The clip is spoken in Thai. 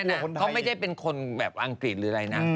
โจรนี่นะเขาไม่ใช่เป็นคนแบบอังกฤษหรืออะไรนะ